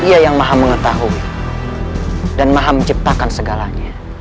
dia yang maha mengetahui dan maha menciptakan segalanya